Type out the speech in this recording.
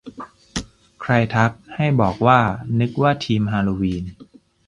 ใครทัก ให้บอกว่า นึกว่าธีมฮาโลวีน